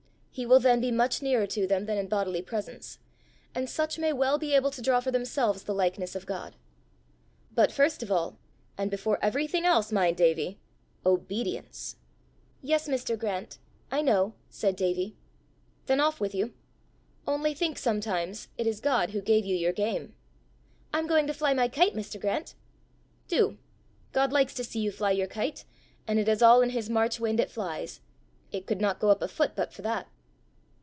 He will then be much nearer to them than in bodily presence; and such may well be able to draw for themselves the likeness of God. But first of all, and before everything else, mind, Davie, OBEDIENCE!" "Yes, Mr. Grant; I know," said Davie. "Then off with you! Only think sometimes it is God who gave you your game." "I'm going to fly my kite, Mr. Grant." "Do. God likes to see you fly your kite, and it is all in his March wind it flies. It could not go up a foot but for that."